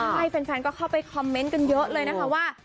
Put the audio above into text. ใช่แฟนก็เข้าไปคอมเมนต์กันเยอะเลยนะคะว่า